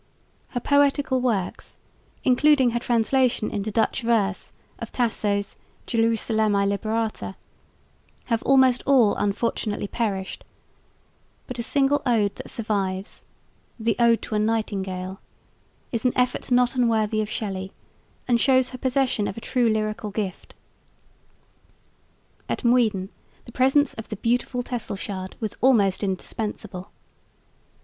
Her poetical works, including her translation into Dutch verse of Tasso's Gerusalemme Liberata, have almost all unfortunately perished, but a single ode that survives "the Ode to a Nightingale" is an effort not unworthy of Shelley and shows her possession of a true lyrical gift. At Muiden the presence of the "beautiful" Tesselschade was almost indispensable.